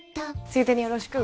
ついでによろしく！